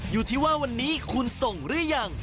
อยู่ที่ว่าวันนี้คุณส่งหรือยัง